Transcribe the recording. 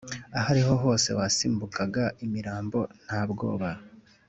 ahariho hose wasimbukaga imirambo nta bwoba